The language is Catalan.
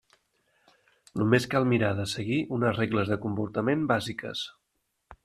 Només cal mirar de seguir unes regles de comportament bàsiques.